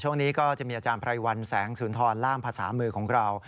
ช่วงนี้ก็จะมีอาจารย์ไพรวัลแสงสุนทรล่ามภาษามือของเรา